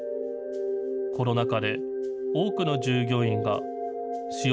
コロナ禍で多くの従業員が私用